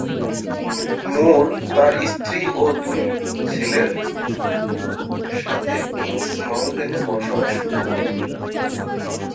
মুর তার স্ত্রী ও দুই ছেলের সাথে কিংস মাউন্টেনে বসবাস শুরু করেন।